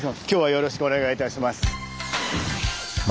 今日はよろしくお願いいたします。